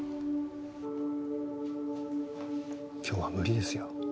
今日は無理ですよ。